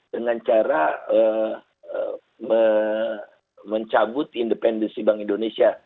dengan cara mencabut independensi bank indonesia